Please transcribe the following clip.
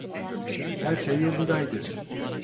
Her şey yolundaydı.